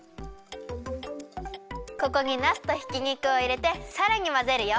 ここになすとひき肉をいれてさらにまぜるよ。